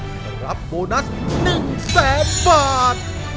จะรับโบนัส๑๐๐๐๐๐๐บาท